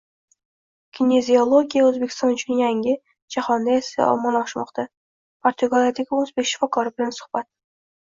“Kineziologiya – O‘zbekiston uchun yangi, jahonda esa ommalashmoqda”. Portugaliyadagi o‘zbek shifokori bilan suhbat